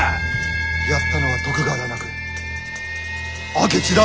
やったのは徳川だなく明智だわ。